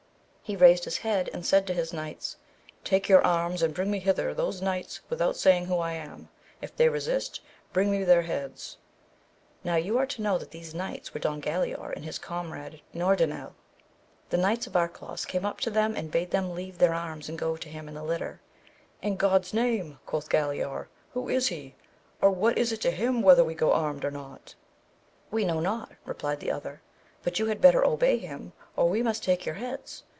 He raised his head and said to his knights, take your arms and bring me hither those knights without saying who I am, if they resist, bring me their heads. Now you are to know that these knights were Don Galaor and his comrade Norandel; the knights of Arcalaus came up to them, and bade them leave their arms and go to him in the litter. In God's name, quoth Galaor, who is he % or what is it to him whether we go armed or not] We know not, replied the other, but you had better obey him or we must take your heads.